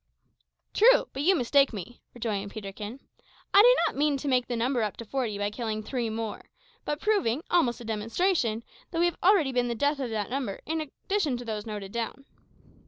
"True; but you mistake me," rejoined Peterkin. "I do not mean to make up the number to forty by killing three more, but by proving, almost to demonstration, that we have already been the death of that number, in addition to those noted down."